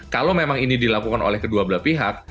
kalau memang ini dilakukan oleh kedua belah pihak